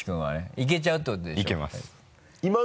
いけちゃうってことでしょ？